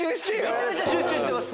めちゃめちゃ集中してます。